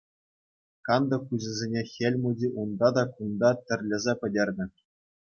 Кантӑк куҫӗсене Хӗл Мучи унта та кунта тӗрлесе пӗтернӗ.